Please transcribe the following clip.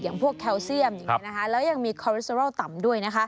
อย่างพวกแคลเซียมอย่างนี้นะคะแล้วยังมีคอเลสเซอรัลต่ำด้วย